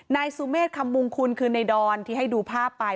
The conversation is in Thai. นายสุเมฆคำมงคุณคือในดอนที่ให้ดูภาพไป